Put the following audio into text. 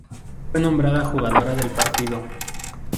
Fue nombrada Jugadora del Partido.